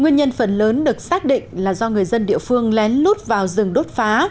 nguyên nhân phần lớn được xác định là do người dân địa phương lén lút vào rừng đốt phá